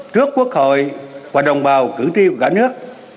trước quốc hội và đồng bào cử tri của cả nước